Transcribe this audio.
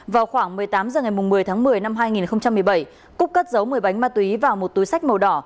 vào khoảng một mươi tám h ngày một mươi tháng một mươi năm hai nghìn một mươi bảy cúc cất giấu một mươi bánh ma túy và một túi sách màu đỏ